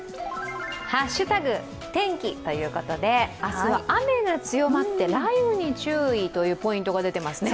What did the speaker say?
「＃ハッシュタグ天気」ということで、明日は雨が強まって、雷雨に注意というポイントが出ていますね。